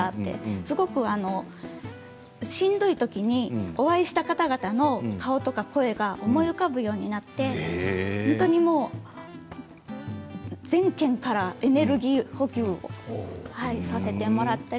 すごくしんどいときにお会いした方々の顔とか声が思い浮かぶようになって本当に全県からエネルギー補給をさせていただいたり。